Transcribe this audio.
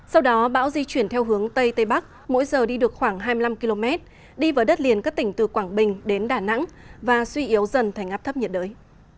sau đó bão di chuyển theo hướng tây tây bắc mỗi giờ đi được khoảng hai mươi năm km đi vào đất liền các tỉnh từ quảng bình đến đà nẵng và suy yếu dần thành áp thấp nhiệt đới